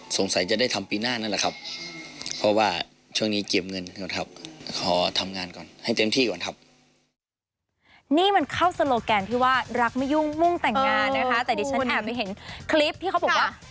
สงสัยจะได้ทำปีหน้านั่นแหละครับเพราะว่าช่วงนี้เก็บเงินครับครับ